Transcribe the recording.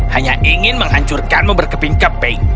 hanya ingin menghancurkanmu berkeping keping